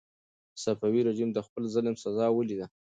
صفوي رژیم د خپل ظلم سزا ولیده.